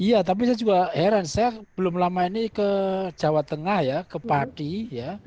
iya tapi saya juga heran saya belum lama ini ke jawa tengah ya ke padi ya